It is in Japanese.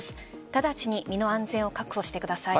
直ちに身の安全を確保してください。